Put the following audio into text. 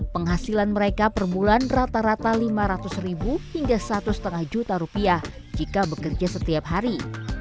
penghasilan mereka per bulan rata rata lima ratus ribu hingga satu lima juta rupiah jika bekerja setiap hari